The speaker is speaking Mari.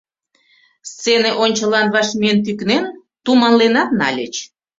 Сцене ончылан ваш миен тӱкнен, туманленат нальыч.